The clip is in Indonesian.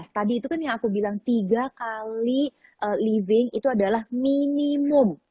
tadi itu kan yang aku bilang tiga kali living itu adalah minimum